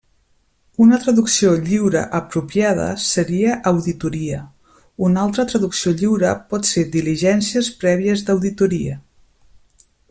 Una traducció lliure apropiada seria auditoria; una altra traducció lliure pot ser 'diligències prèvies d'auditoria'.